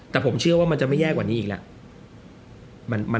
แต่ผมเชื่อว่ามันจะไม่แย่กว่านี้อีกแล้ว